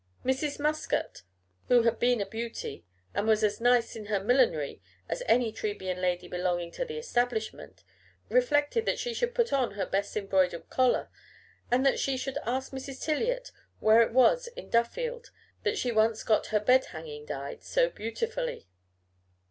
Mrs. Muscat, who had been a beauty, and was as nice in her millinery as any Trebian lady belonging to the Establishment, reflected that she should put on her best embroidered collar, and that she should ask Mrs. Tiliot where it was in Duffield that she once got her bed hanging dyed so beautifully.